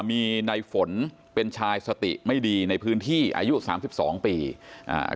มีในฝนเป็นชายสติไม่ดีในพื้นที่อายุสามสิบสองปีอ่า